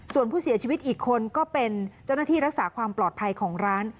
ส่วนผู้เสียชีวิตอีกคนก็เป็นเจ้าหน้าที่รักษาความปลอดภัยของร้าน